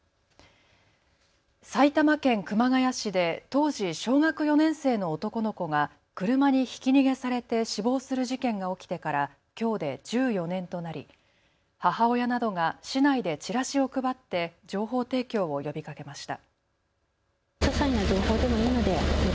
埼玉県熊谷市で当時小学４年生の男の子が車にひき逃げされて死亡する事件が起きてからきょうで１４年となり母親などが市内でチラシを配って情報提供を呼びかけました。